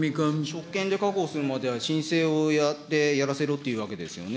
職権で確保するまでは申請をやって、やらせろというわけですよね。